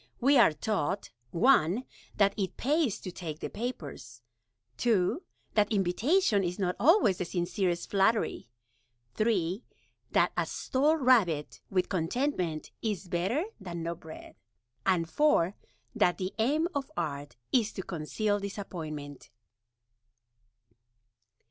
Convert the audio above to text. We are taught (1) that it Pays to take the Papers; (2) that Invitation is not Always the Sincerest Flattery; (3) that a Stalled Rabbit with Contentment is better than No Bread; and (4) that the Aim of Art is to Conceal Disappointment.